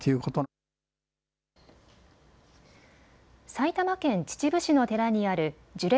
埼玉県秩父市の寺にある樹齢